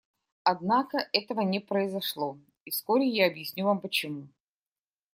Однако этого не произошло, и вскоре я объясню вам почему.